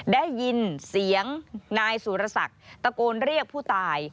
ได้ยินเสียงนายสุรศักดิ์ตะโกนเรียกผู้ตาย